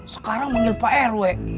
sekarang manggil pak rw